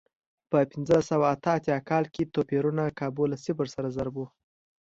په پنځلس سوه اته اتیا کال کې توپیرونه کابو له صفر سره ضرب و.